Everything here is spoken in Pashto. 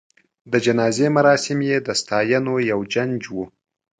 د جنازې مراسم یې د ستاینو یو جنج و.